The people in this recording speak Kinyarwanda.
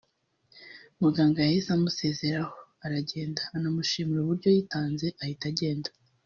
Muganga yahise amusezeraho aragenda anamushimira uburyo yitanze ahita agenda